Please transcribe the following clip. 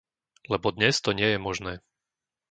Lebo dnes to nie je možné.